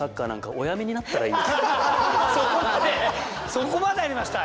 そこまで言われました？